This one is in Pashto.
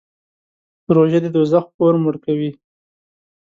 روژه د دوزخ اور مړ کوي.